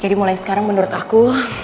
jadi mulai sekarang menurut aku